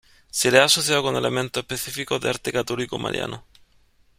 Se le ha asociado con elementos específicos de arte católico mariano.